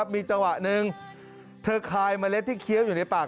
มีจังหวะหนึ่งเธอคายเมล็ดที่เคี้ยวอยู่ในปาก